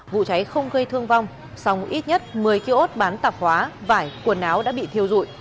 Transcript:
vụ cháy không gây thương vong song ít nhất một mươi kiểu ốt bán tạp hóa vải quần áo đã bị thiêu rụi